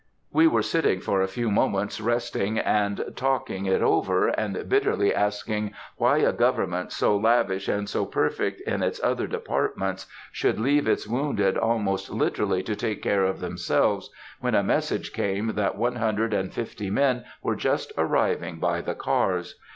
We were sitting for a few moments resting and talking it over, and bitterly asking why a government, so lavish and so perfect in its other departments, should leave its wounded almost literally to take care of themselves, when a message came that one hundred and fifty men were just arriving by the cars.